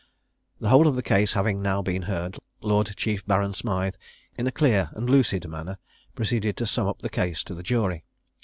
The whole of the case having now been heard, Lord Chief Baron Smythe, in a clear and lucid manner, proceeded to sum up the case to the jury.